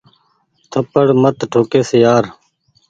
ٿپڙ مت ٺو ڪيس يآر۔